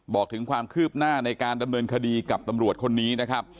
บอกถึงความคืบหน้าในการดำเนินคดีกับตำรวจคนนี้นะครับ